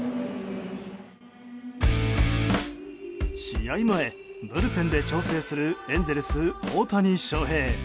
試合前、ブルペンで調整するエンゼルス、大谷翔平。